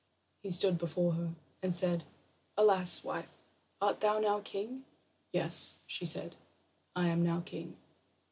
He stood before her, and said: "Alas, wife, art thou now king?" "Yes," she said; "now I am king."